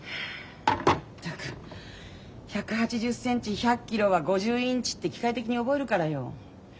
ったく１８０センチ１００キロは５０インチって機械的に覚えるからよ。